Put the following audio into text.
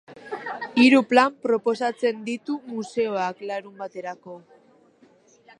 Hiru plan proposatzen ditu museoak larunbaterako.